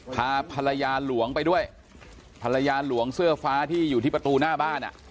พาภรรยาหลวงไปด้วยภรรยาหลวงเสื้อฟ้าที่อยู่ที่ประตูหน้าบ้านอ่ะ